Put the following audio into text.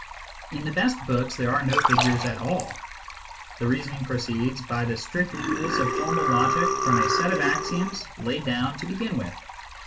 In the best books there are no figures at all. The reasoning proceeds by the strict rules of formal logic from a set of axioms laid down to begin with.